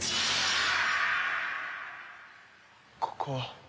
ここは？